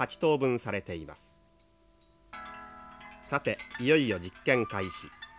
さていよいよ実験開始。